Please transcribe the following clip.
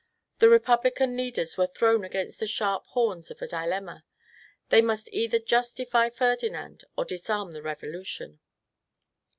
The republican leaders were thrown against the sharp horns of a dilemma : they must either justify Ferdinand or disarm the Bevolution.